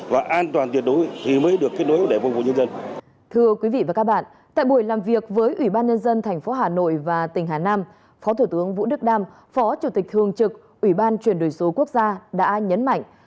và an toàn tiệt đối thì mới được kết nối để phục vụ nhân dân